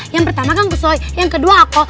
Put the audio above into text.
yang pertama kan kusoy yang kedua aku